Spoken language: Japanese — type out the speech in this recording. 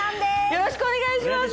よろしくお願いします